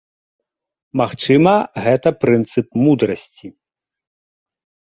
Магчыма, гэта прынцып мудрасці.